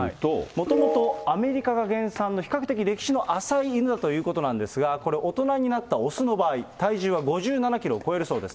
もともとアメリカが原産の比較的歴史の浅い犬だということなんですが、これ、大人になった雄の場合、体重は５７キロを超えるそうです。